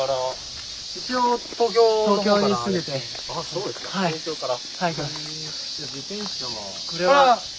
そうですか東京から。